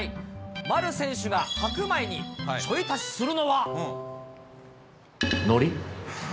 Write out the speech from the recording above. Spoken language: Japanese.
丸選手が白米にちょい足しするののり。